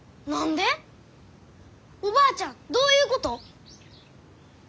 おばあちゃんどういうこと？